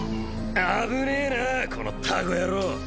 危ねえなこのタコ野郎！